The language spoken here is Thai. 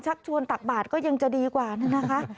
ชักชวนตักบาทก็ยังจะดีกว่านั่นนะคะ